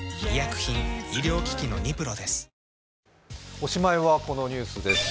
おしまいはこのニュースです。